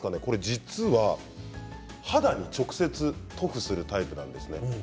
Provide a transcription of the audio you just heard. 実は肌に直接塗布するタイプなんです。